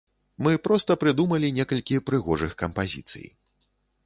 Мы проста прыдумалі некалькі прыгожых кампазіцый.